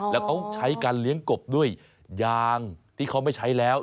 แล้วเขาใช้การเลี้ยงกบด้วยยางที่เขาไม่ใช้แล้ว